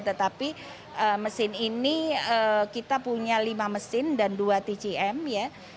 tetapi mesin ini kita punya lima mesin dan dua tcm ya